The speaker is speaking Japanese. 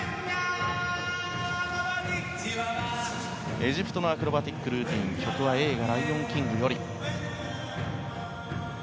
エジプトのアクロバティックルーティン曲は映画「ライオンキング」より。